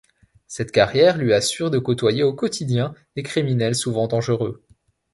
Cette carrière lui assure de côtoyer au quotidien des criminels souvent dangereux.